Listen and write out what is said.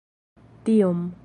tiom